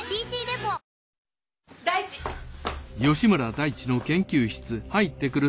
大地！